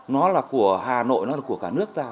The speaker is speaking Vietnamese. nó là của hà nội nó là của cả nước ta